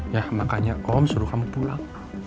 ya makanya kaum suruh kamu pulang